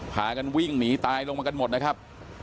พากันวิ่งหนีตายลงมากันหมดนะครับ